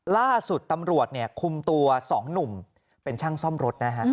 ล่าสุดตำรวจเนี่ยคุมตัว๒หนุ่มเป็นช่างซ่อมรถนะฮะ